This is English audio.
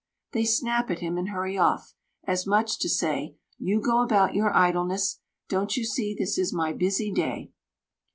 They snap at him and hurry off, as much as to say: "You go about your idleness. Don't you see this is my busy day?"